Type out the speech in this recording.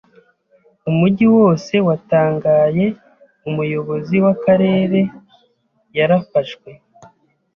Umujyi wose watangaye, umuyobozi w'akarere yarafashwe.